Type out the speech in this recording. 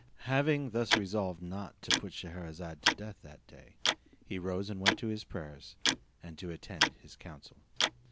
Having thus resolved not to put Scheherazade to death that day, he rose and went to his prayers, and to attend his council.